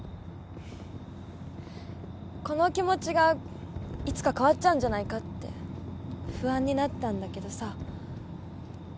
この気持ちがいつか変わっちゃうんじゃないかって不安になったんだけどさ